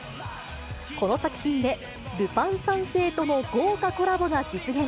この作品で、ルパン三世との豪華コラボが実現。